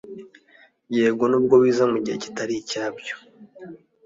yego n’ubwo biza mu gihe kitari icyabyo